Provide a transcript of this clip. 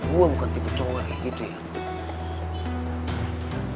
gue bukan tipe cowok kayak gitu ya